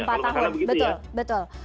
empat tahun betul